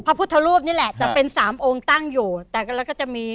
พระพุทธรูปนี่แหละจะเป็นสามองค์ตั้งอยู่แต่แล้วก็จะมี